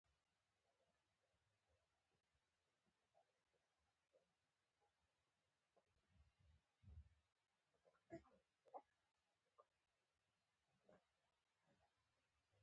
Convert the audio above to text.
حشویه ډلې د غیب په اړه ورته لاره غوره کړې ده.